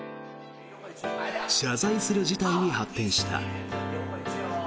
謝罪する事態に発展した。